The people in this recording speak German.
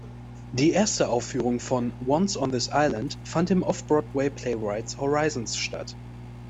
Die erste Aufführung von "Once on This Island" fand im off-Broadway Playwrights Horizons statt.